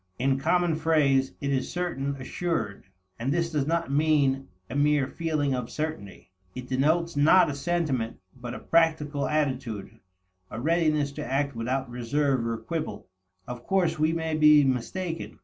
In common phrase, it is certain, assured. And this does not mean a mere feeling of certainty. It denotes not a sentiment, but a practical attitude, a readiness to act without reserve or quibble. Of course we may be mistaken.